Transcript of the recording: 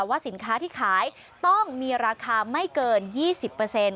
ว่าสินค้าที่ขายต้องมีราคาไม่เกิน๒๐